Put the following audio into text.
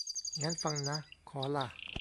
งั้นฟังนะ ขอล่ะ